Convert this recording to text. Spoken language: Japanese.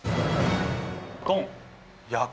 ドン。